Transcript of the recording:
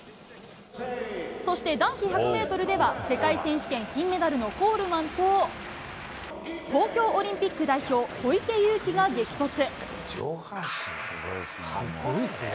そして、男子１００メートルでは、世界選手権金メダルのコールマンと、東京オリンピック代表、小池祐貴が激突。